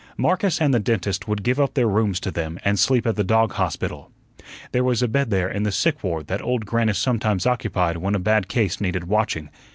Marcus and the dentist would give up their rooms to them and sleep at the dog hospital. There was a bed there in the sick ward that old Grannis sometimes occupied when a bad case needed watching.